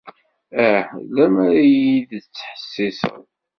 Ah! Lemmer i iyi-d-tettḥessiseḍ.